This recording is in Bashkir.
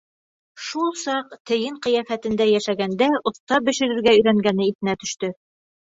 Шул саҡ тейен ҡиәфәтендә йәшәгәндә оҫта бешерергә өйрәнгәне иҫенә төштө.